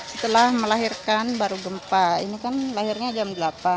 setelah melahirkan baru gempa ini kan lahirnya jam delapan